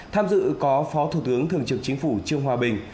tham dự có phó thủ tướng thường trực chính phủ trương hòa bình